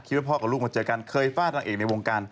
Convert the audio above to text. คิดว่าพ่อกับลูกก็เจอกันเคยฟาดนักเอกในวงการ